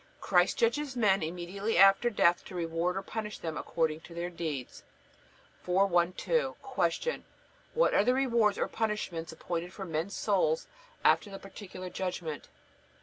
Christ judges men immediately after death to reward or punish them according to their deeds. 412. Q. What are the rewards or punishments appointed for men's souls after the Particular Judgment?